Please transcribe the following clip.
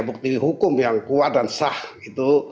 bukti hukum yang kuat dan sah gitu